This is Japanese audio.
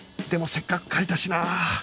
でもせっかく書いたしな